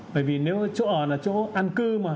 bởi vì nếu chỗ ở là chỗ an cư mà